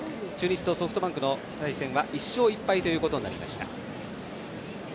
これで中日とソフトバンクの対戦は１勝１敗となりました。